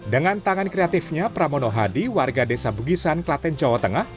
dengan tangan kreatifnya pramono hadi warga desa bugisan klaten jawa tengah